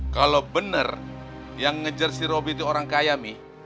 kalau bener yang ngejar si robby itu orang kaya mi